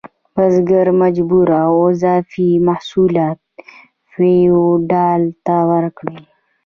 بزګر مجبور و اضافي محصولات فیوډال ته ورکړي.